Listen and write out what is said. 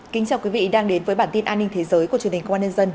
chào mừng quý vị đến với bản tin an ninh thế giới của truyền hình công an nhân dân